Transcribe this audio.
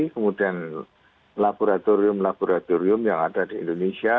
kemudian laboratorium laboratorium yang ada di indonesia